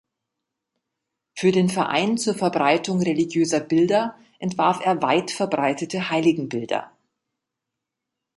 Für den Verein zur Verbreitung religiöser Bilder entwarf er weit verbreitete Heiligenbilder.